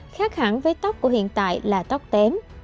khác hẳn với tóc của hiện tại là tóc kém